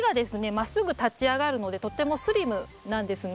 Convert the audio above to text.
まっすぐ立ち上がるのでとってもスリムなんですね。